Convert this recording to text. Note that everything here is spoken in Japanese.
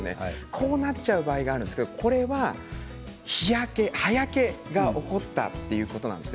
こうなっちゃう場合があるんですが、これは日焼け葉焼けが起こったということなんです。